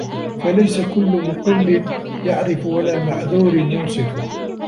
فَلَيْسَ كُلُّ مُقِلٍّ يَعْرِفُ وَلَا مَعْذُورٍ يُنْصِفُ